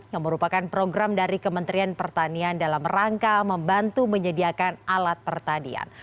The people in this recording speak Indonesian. yang merupakan program dari kementerian pertanian dalam rangka membantu menyediakan alat pertanian